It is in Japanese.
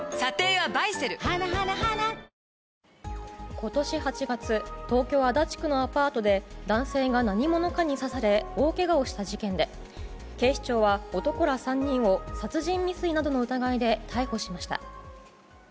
今年８月東京・足立区のアパートで男性が何者かに刺され大けがをした事件で警視庁は、男ら３人を殺人未遂などの疑いで逮捕しました。